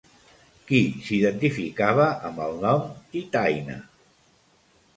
Qui s'identificava amb el nom Titaÿna?